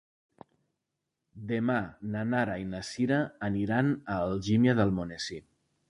Demà na Nara i na Sira aniran a Algímia d'Almonesir.